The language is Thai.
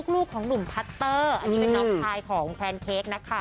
ลูกของหนุ่มพัตเตอร์อันนี้เป็นน้องชายของแพนเค้กนะคะ